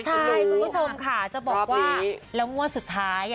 ใช่คุณผู้ชมค่ะจะบอกว่าแล้วงวดสุดท้าย